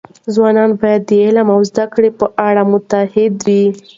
ځوانان باید د علم او زده کړې په اړه متعهد وي.